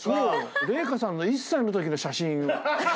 麗華さんの１歳のときの写真。